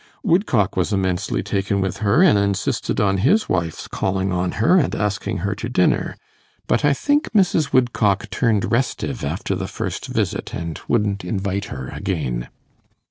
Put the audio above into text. Woodcock was immensely taken with her, and insisted on his wife's calling on her and asking her to dinner; but I think Mrs. Woodcock turned restive after the first visit, and wouldn't invite her again.